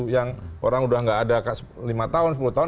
yang orang sudah tidak ada lima tahun sepuluh tahun